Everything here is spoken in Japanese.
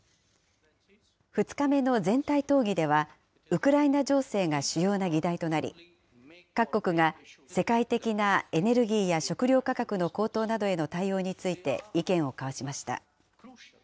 ２日目の全体討議では、ウクライナ情勢が主要な議題となり、各国が世界的なエネルギーや食料価格の高騰などへの対応について、意見を交わしました。